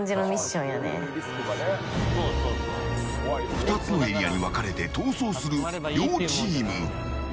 ２つのエリアに分かれて逃走する両チーム。